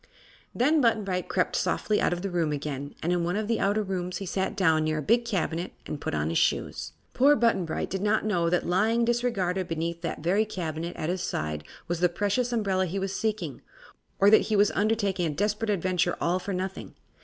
Then Button Bright crept softly out of the room again, and in one of the outer rooms he sat down near a big cabinet and put on his shoes. Poor Button Bright did not know that lying disregarded beneath that very cabinet at his side was the precious umbrella he was seeking, or that he was undertaking a desperate adventure all for nothing.